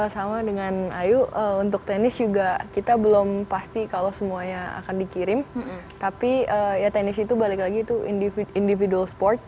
sama dengan ayu untuk tenis juga kita belum pasti kalau semuanya akan dikirim tapi ya teknis itu balik lagi itu individual sport